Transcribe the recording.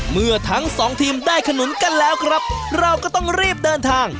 เมื่อทั้งสองทีมได้ขนุนกันแล้วครับเราก็ต้องรีบเดินทาง